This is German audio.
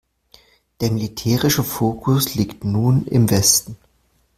Der militärische Fokus liegt nun im Westen.